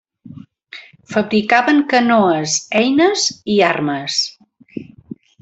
Fabricaven canoes, eines i armes.